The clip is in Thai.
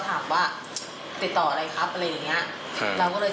ผมมีหมายศาลของเรื่อง